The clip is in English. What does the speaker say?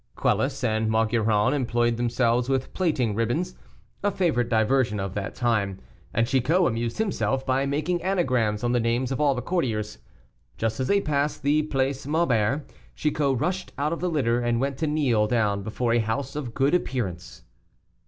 Quelus and Maugiron employed themselves with plaiting ribbons, a favorite diversion of that time; and Chicot amused himself by making anagrams on the names of all the courtiers. Just as they passed the Place Maubert, Chicot rushed out of the litter, and went to kneel down before a house of good appearance.